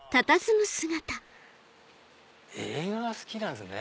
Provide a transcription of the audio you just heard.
映画が好きなんですね